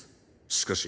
しかし。